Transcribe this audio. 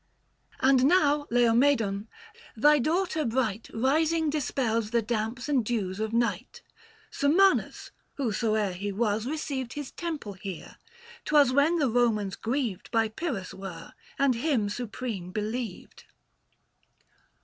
And now Laomedon, thy daughter bright Rising dispels the damps and dews of night ; Summanus, whosoe'er he was, received His temple here : 'twas when the Romans grieved 880 By Pyrrhus were, and him supreme believed.